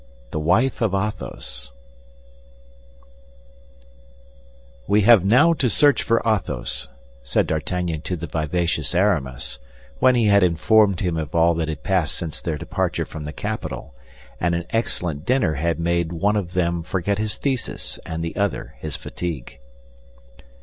THE WIFE OF ATHOS We have now to search for Athos," said D'Artagnan to the vivacious Aramis, when he had informed him of all that had passed since their departure from the capital, and an excellent dinner had made one of them forget his thesis and the other his fatigue.